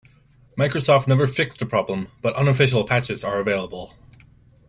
Microsoft never fixed the problem, but unofficial patches are available.